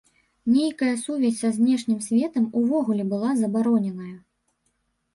Нейкая сувязь са знешнім светам увогуле была забароненая.